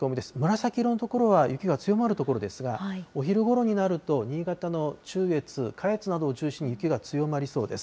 紫色の所は、雪が強まる所ですが、お昼ごろになると、新潟の中越、下越などを中心に、雪が強まりそうです。